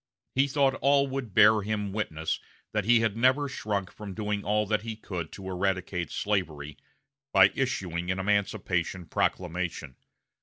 He thought all would bear him witness that he had never shrunk from doing all that he could to eradicate slavery, by issuing an emancipation proclamation.